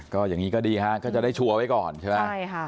ก็อย่างนี้ก็ดีฮะก็จะได้ชัวร์ไว้ก่อนใช่ไหมใช่ค่ะ